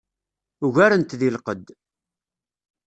Ugaren-t deg lqedd.